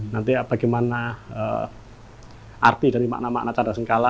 nanti bagaimana arti dari makna makna canda sengkala